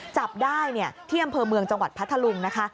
จับได้ที่อำเภอเมืองจังหวัดพัทธลุงนะคะ